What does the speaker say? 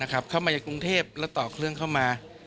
เข้ามาจากกรุงเทพแล้วต่อเครื่องเข้ามา